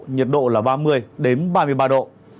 nhiệt độ là ba mươi ba mươi ba độ